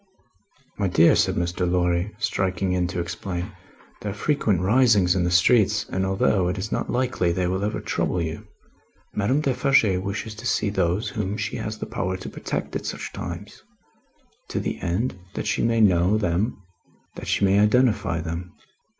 "My dear," said Mr. Lorry, striking in to explain; "there are frequent risings in the streets; and, although it is not likely they will ever trouble you, Madame Defarge wishes to see those whom she has the power to protect at such times, to the end that she may know them that she may identify them.